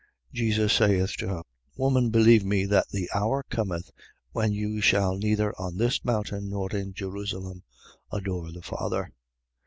Jesus saith to her: Woman, believe me that the hour cometh, when you shall neither on this mountain, nor in Jerusalem, adore the Father.